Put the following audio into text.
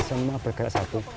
semua bergerak satu